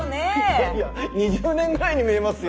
いやいや２０年ぐらいに見えますよ。